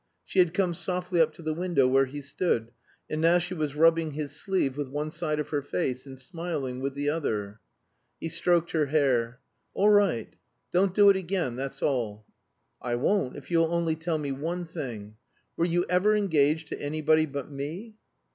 She had come softly up to the window where he stood; and now she was rubbing his sleeve with one side of her face and smiling with the other. He stroked her hair. "All right. Don't do it again, that's all." "I won't if you'll only tell me one thing. Were you ever engaged to anybody but me?"